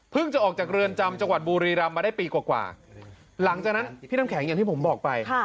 จะออกจากเรือนจำจังหวัดบุรีรำมาได้ปีกว่าหลังจากนั้นพี่น้ำแข็งอย่างที่ผมบอกไป